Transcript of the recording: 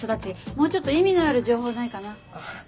もうちょっと意味のある情報ないかな？